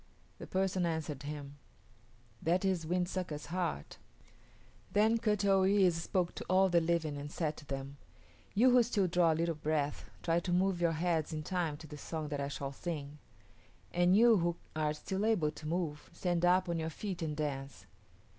The person answered him, "That is Wind Sucker's heart." Then Kut o yis´ spoke to all the living and said to them, "You who still draw a little breath try to move your heads in time to the song that I shall sing; and you who are still able to move stand up on your feet and dance.